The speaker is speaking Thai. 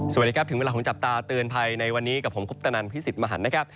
สวัสดีครับถึงเวลาของจับตาเตือนภัยในวันนี้กับผมคุปตนันพิสิทธิ์มหันนะครับ